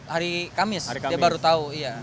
hari kamis dia baru tahu